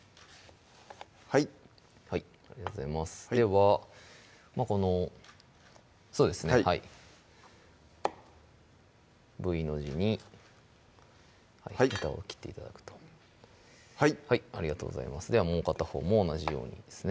はいはいありがとうございますではこのそうですねはいＶの字にヘタを切って頂くとはいありがとうございますではもう片方も同じようにですね